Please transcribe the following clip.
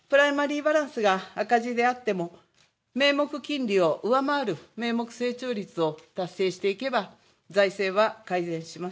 プライマリーバランスが赤字であっても名目金利を上回る名目成長率を達成していけば財政は改善します。